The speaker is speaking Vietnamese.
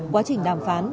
quá trình đàm phán